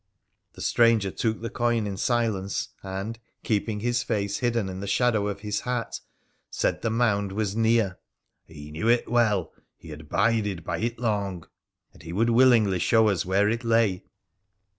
The stranger took the coin in silence, and, keeping his face hidden in the shadow of his hat, said the mound wag near, ' he knew it well, he had bided by it long,' and he would willingly show us where it lay.